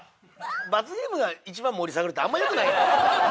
罰ゲームが一番盛り下がるってあんま良くないやん。